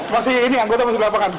masih ini anggota masuk ke lapangan